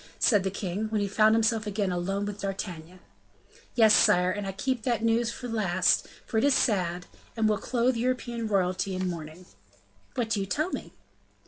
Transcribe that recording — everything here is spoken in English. said the king, when he found himself again alone with D'Artagnan. "Yes, sire, and I kept that news for the last, for it is sad, and will clothe European royalty in mourning." "What do you tell me?"